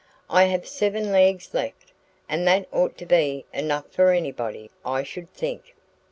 "I have seven legs left; and that ought to be enough for anybody. I should think."